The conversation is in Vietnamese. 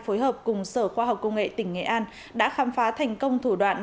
phối hợp cùng sở khoa học công nghệ tỉnh nghệ an đã khám phá thành công thủ đoạn